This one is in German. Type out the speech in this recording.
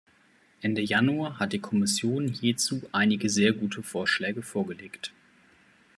Ende Januar hat die Kommission hierzu einige sehr gute Vorschläge vorgelegt.